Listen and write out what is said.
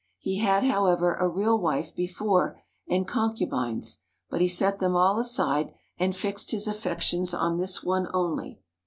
He had, however, a real wife before and concubines, but he set them all aside and fixed his affections on this one only.